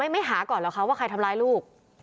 ไม่หาก่อนเหรอคะว่าใครทำร้ายลูก